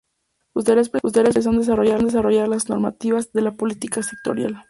Sus tareas principales son desarrollar las normativas de la política sectorial.